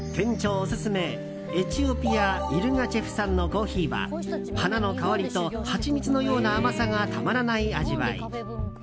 オススメエチオピア・イルガチョフ産のコーヒーは花の香りとハチミツのような甘さがたまらない味わい。